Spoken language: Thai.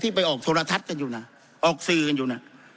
ไปออกโทรทัศน์กันอยู่นะออกสื่อกันอยู่น่ะ